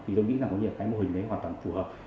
thì tôi nghĩ là cái mô hình đấy hoàn toàn phù hợp